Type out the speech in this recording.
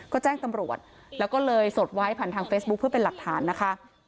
ก็แจ้งตำรวจแล้วก็เลยสดไว้ผ่านทางเฟซบุ๊คเพื่อเป็นหลักฐานนะคะ